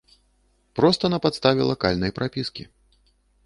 Проста на падставе лакальнай прапіскі.